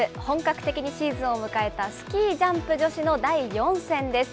本格的にシーズンを迎えたスキージャンプ女子の第４戦です。